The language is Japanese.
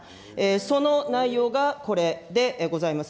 その内容がこれでございます。